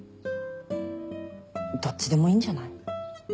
どっちでもいいんじゃない？